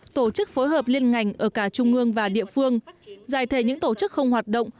tổ chức phối hợp liên ngành ở cả trung ương và địa phương giải thể những tổ chức không hoạt động